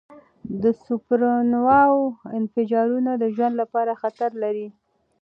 د سوپرنووا انفجارونه د ژوند لپاره خطر لري.